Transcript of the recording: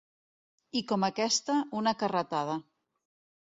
I com aquesta, una carretada.